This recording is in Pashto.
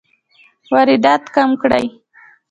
واردات کم کړئ